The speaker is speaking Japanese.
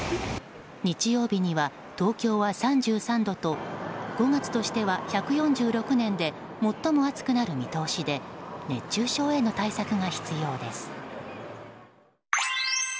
日曜日には東京は３３度と５月としては１４６年で最も暑くなる見通しで熱中症への対策が必要です。